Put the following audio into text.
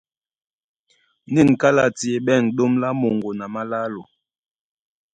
Nîn kálati e ɓɛ̂n ɗóm lá moŋgo na málálo.